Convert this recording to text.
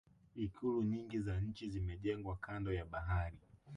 ikulu nyingi za nchi zimejengwa kando ya bahari